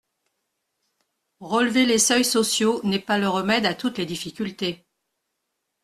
Relever les seuils sociaux n’est pas le remède à toutes les difficultés.